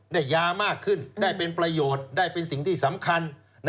ยามากขึ้นได้เป็นประโยชน์ได้เป็นสิ่งที่สำคัญ